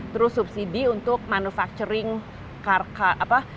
terus subsidi untuk manufacturing karka apa